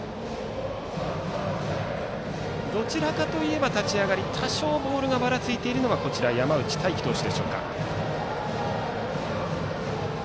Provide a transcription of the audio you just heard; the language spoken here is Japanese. どちらかといえば立ち上がりは多少、ボールがばらついているのが山内太暉投手。